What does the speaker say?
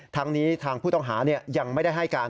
ทั้งนี้ทางผู้ต้องหายังไม่ได้ให้การ